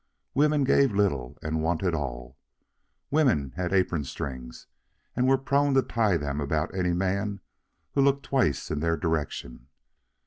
Women gave little and wanted all. Women had apron strings and were prone to tie them about any man who looked twice in their direction.